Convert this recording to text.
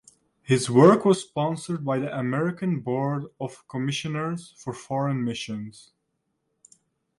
His work was sponsored by the American Board of Commissioners for Foreign Missions.